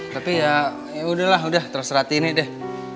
tapi ya ya udahlah udah terserah tini deh